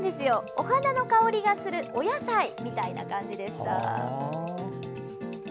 お花の香りがするお野菜みたいな感じでした。